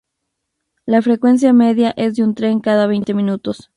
La frecuencia media es de un tren cada veinte minutos.